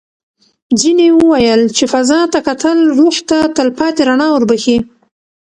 ځینې وویل چې فضا ته کتل روح ته تل پاتې رڼا وربښي.